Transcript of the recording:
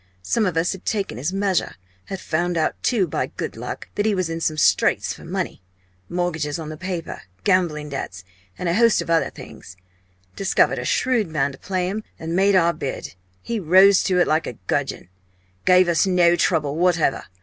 Some of us had taken his measure, had found out too by good luck! that he was in sore straits for money mortgages on the paper, gambling debts, and a host of other things discovered a shrewd man to play him, and made our bid! He rose to it like a gudgeon gave us no trouble whatever.